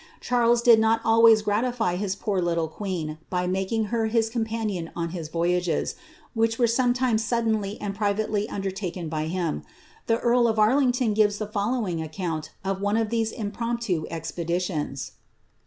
Charles did not always gimtify hit poor little queen by making her his companion on his voyages, which were sometimes suddenly and privately undertaken by him. The eari of Arlington gives the following account of one of these imprompts expeditions.